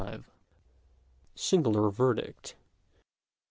CXLVI. SINGULAR VERDICT.